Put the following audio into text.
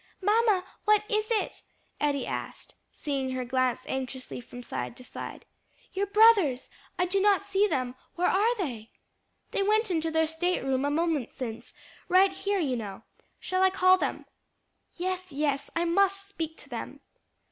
"Mamma, what is it?" Eddie asked, seeing her glance anxiously from side to side. "Your brothers! I do not see them. Where are they?" "They went into their state room a moment since; right here, you know. Shall I call them?" "Yes, yes; I must speak to them."